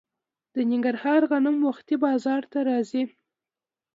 د ننګرهار غنم وختي بازار ته راځي.